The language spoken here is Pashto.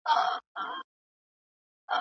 کمیسیون د سرغړونو څیړنه کوله.